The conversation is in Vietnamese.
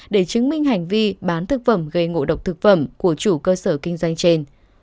để chứng minh hành vi bán thực phẩm gây ngộ độc thực phẩm của chủ cơ sở kinh doanh trên